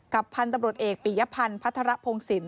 พันธุ์ตำรวจเอกปียพันธ์พัฒระพงศิลป